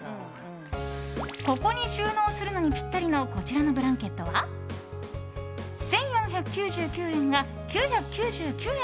ここに収納するのにぴったりのこちらのブランケットは１４９９円が９９９円。